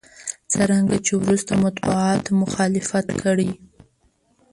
څرنګه چې وروسته مطبوعاتو مخالفت کړی.